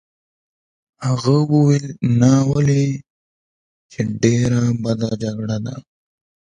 هغه وویل: ناولې! چې ډېره بده جګړه ده.